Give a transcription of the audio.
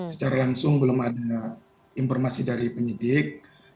secara langsung belum ada informasi dari penyidik